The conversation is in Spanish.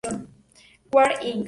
War, Inc.